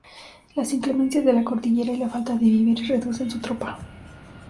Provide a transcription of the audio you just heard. Las inclemencias de la cordillera y la falta de víveres reducen su tropa.